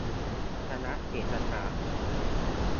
คณะเศรษฐศาสตร์